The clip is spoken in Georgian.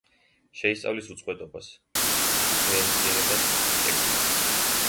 შეისწავლის უწყვეტობას, დიფერენცირებას, ინტეგრირებას.